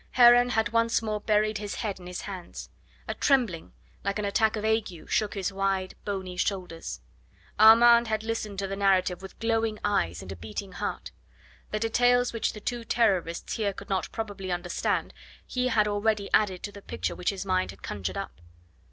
Heron had once more buried his head in his hands; a trembling like an attack of ague shook his wide, bony shoulders. Armand had listened to the narrative with glowing eyes and a beating heart. The details which the two Terrorists here could not probably understand he had already added to the picture which his mind had conjured up.